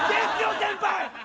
先輩！